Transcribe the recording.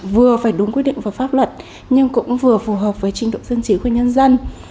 vừa pháp luật nhưng cũng vừa phù hợp với trình độ dân chí của nhân dân